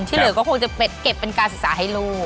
เหลือก็คงจะเก็บเป็นการศึกษาให้ลูก